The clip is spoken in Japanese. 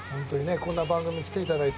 こんな番組に来ていただいて。